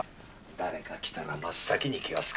誰か来たら真っ先に気がつく。